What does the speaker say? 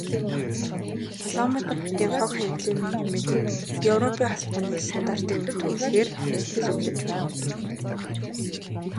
Улаанбаатар хотын хог, хаягдлын менежментэд Европын Холбооны стандартыг нэвтрүүлэхээр төлөвлөж байна.